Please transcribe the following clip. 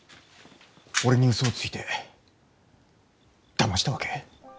俺にウソをついてだましたわけ？